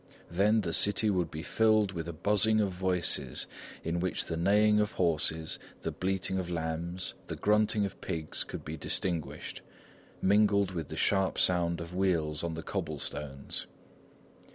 Then the city would be filled with a buzzing of voices in which the neighing of horses, the bleating of lambs, the grunting of pigs, could be distinguished, mingled with the sharp sound of wheels on the cobble stones.